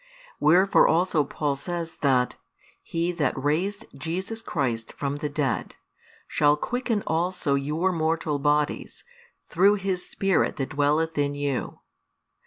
Wherefore also Paul says that He that raised Jesus Christ from the dead, shall quicken also your mortal bodies, through His Spirit that dwelleth in you.